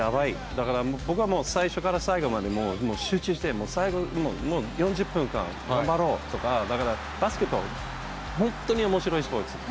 だからもう、僕は最初から最後までもう集中して、最後４０分間頑張ろうとか、だから、バスケットボール、本当におもしろいスポーツ。